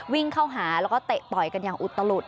วิ่งเข้าหาแล้วก็เตะต่อยกันอย่างอุตลุด